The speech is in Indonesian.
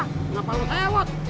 kenapa lu tewet